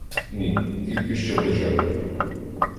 Ні, тільки що почали.